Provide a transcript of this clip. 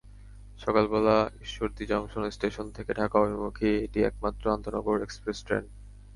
সকালবেলা Ishwardi junction station থেকে ঢাকা অভিমুখী এটি একমাত্র আন্তনগর এক্সপ্রেস ট্রেন।